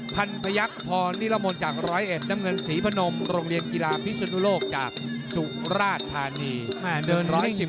พันพยักษ์พรนิรมนต์จากร้อยเอ็ดน้ำเงินศรีพนมโรงเรียนกีฬาพิศนุโลกจากสุราธานีเดิน๑๑